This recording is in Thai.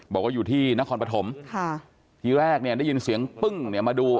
บอกว่าอยู่ที่นครปฐมค่ะทีแรกเนี่ยได้ยินเสียงปึ้งเนี่ยมาดู